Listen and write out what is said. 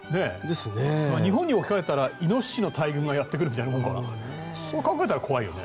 日本に置き換えたらイノシシの大群がやってくるわけだからそう考えたら怖いよね。